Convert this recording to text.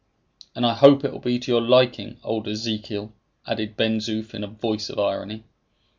"And I hope it will be to your liking, old Ezekiel!" added Ben Zoof in a voice of irony.